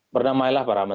bernamailah para menteri